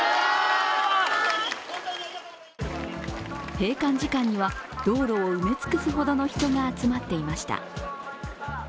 閉館時間には、道路を埋め尽くすほどの人が集まっていました。